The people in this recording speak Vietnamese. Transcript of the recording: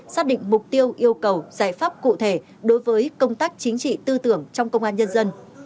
xác định mục tiêu yêu cầu giải pháp cụ thể đối với công tác chính trị tư tưởng trong công an nhân dân